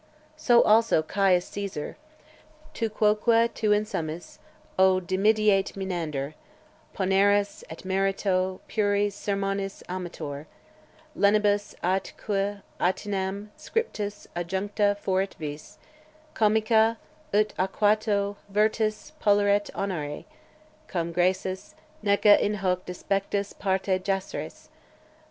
So also Caius Caesar: Tu quoque tu in summis, O dimidiate Menander, Poneris, et merito, puri sermonis amator, Lenibus atque utinam scriptis adjuncta foret vis Comica, ut aequato virtus polleret honore Cum Graecis, neque in hoc despectus parte jaceres!